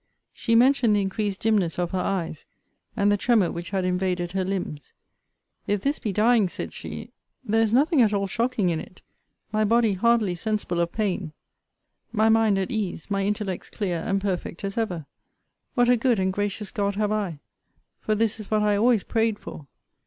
She mentioned the increased dimness of her eyes, and the tremor which had invaded her limbs. If this be dying, said she, there is nothing at all shocking in it. My body hardly sensible of pain, my mind at ease, my intellects clear and perfect as ever. What a good and gracious God have I! For this is what I always prayed for.